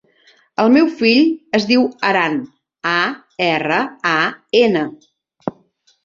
El meu fill es diu Aran: a, erra, a, ena.